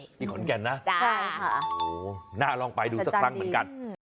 อยู่ขอนแก่นนะน่าลองไปดูสักครั้งเหมือนกัน